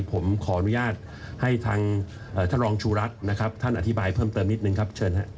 ผมขออนุญาตให้ทางท่านรองชูรัฐนะครับท่านอธิบายเพิ่มเติมนิดนึงครับเชิญครับ